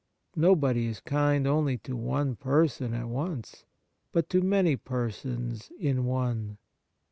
Nobody is kind only to one person at once, but to many persons in one.